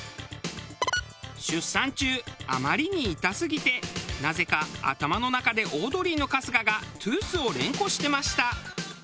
「出産中あまりに痛すぎてなぜか頭の中でオードリーの春日がトゥースを連呼してました」。